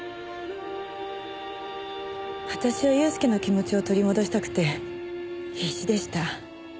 私は祐介の気持ちを取り戻したくて必死でした。